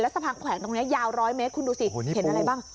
สะพานแขวงตรงนี้ยาว๑๐๐เมตรคุณดูสิเห็นอะไรบ้าง